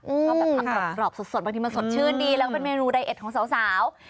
ชอบแบบผักกรอบสดบางทีมันสดชื่นดีแล้วก็เป็นเมนูไรเอ็ดของสาว